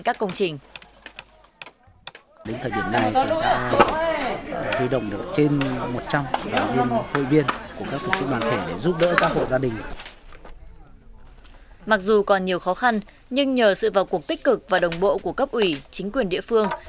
mặc dù còn nhiều khó khăn nhưng nhờ sự vào cuộc tích cực và đồng bộ của cấp ủy chính quyền địa phương